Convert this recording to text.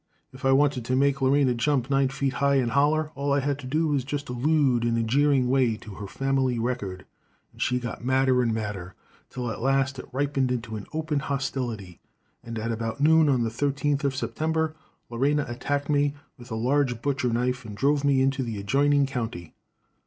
If I wanted to make Lorena jump nine feet high and holler, all I had to do was just to allude in a jeering way to her family record, so she got madder and madder, till at last it ripened into open hostility, and about noon on the 13th day of September Lorena attacked me with a large butcher knife and drove me into the adjoining county.